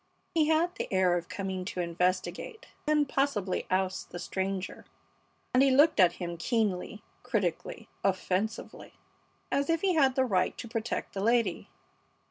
He had the air of coming to investigate and possibly oust the stranger, and he looked at him keenly, critically, offensively, as if he had the right to protect the lady.